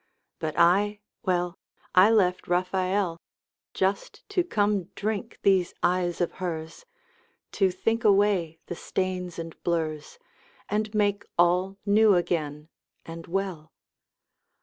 But I, well, I left Raphael Just to come drink these eyes of hers, To think away the stains and blurs And make all new again and well.